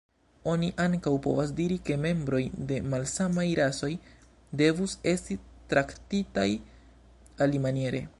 Oni ankaŭ povas diri ke membroj de malsamaj rasoj devus esti traktitaj alimaniere.